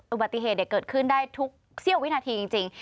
อุบัติเหตุเกิดขึ้นได้ทุกเสี้ยววินาทีจริง